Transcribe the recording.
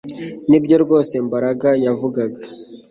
Nibyo rwose Mbaraga yavugaga